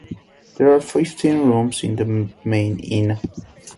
There are fifteen rooms in the main inn.